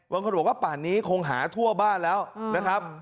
บางคนบอกว่าป่านนี้คงหาทั่วบ้านแล้วนะครับ